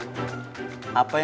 tuh kita kencry apa ini